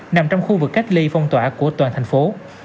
nằm trong khu vực cách ly phong tỏa của toàn thành phố